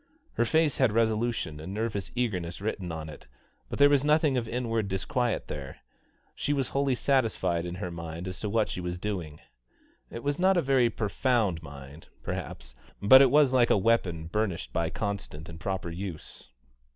Her face had resolution and nervous eagerness written in it, but there was nothing of inward disquiet there; she was wholly satisfied in her own mind as to what she was doing. It was not a very profound mind, perhaps, but it was like a weapon burnished by constant and proper use.